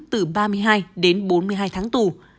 từ ba mươi hai đến bốn mươi hai tháng tù